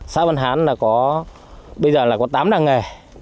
xã văn hán là có bây giờ là có tám đảng nghề